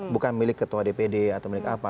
bukan milik ketua dpd atau milik apa